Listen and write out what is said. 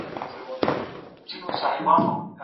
که سياست سم سي نو هېواد به ورغول سي.